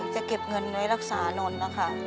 จะเก็บเงินไว้รักษานนท์นะคะ